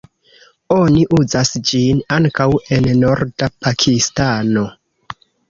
Oni uzas ĝin ankaŭ en norda Pakistano.